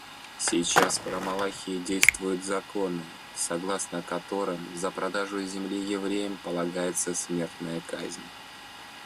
Сейчас в Рамаллахе действуют законы, согласно которым за продажу земли евреям полагается смертная казнь.